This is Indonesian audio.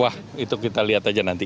wah itu kita lihat aja nanti